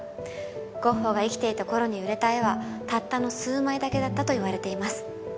ゴッホが生きていた頃に売れた絵はたったの数枚だけだったといわれています